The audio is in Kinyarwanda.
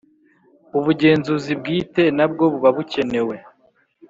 Ubugenzuzi bwite nabwo buba bukenewe